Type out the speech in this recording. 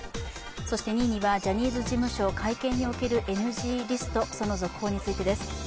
そして２位にはジャニーズ事務所会見でのＮＧリスト、その続報が入っています。